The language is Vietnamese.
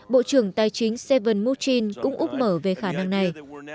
bộ trưởng tài chính stephen mnuchin cũng úp mở về khả năng này